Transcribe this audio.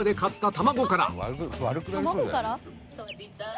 「卵から」！？